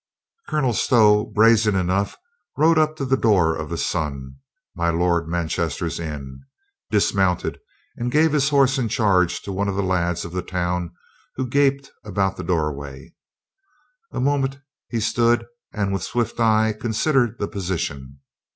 Colonel Stow, brazen enough, rode up to the door of the Sun, my Lord Manchester's inn, dismounted and gave his horse in charge to one of the lads of the town who gaped about the doorway. A mo ment he stood and with swift eye considered the position.